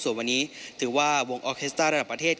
ส่วนวันนี้ถือว่าวงออเคสต้าระดับประเทศ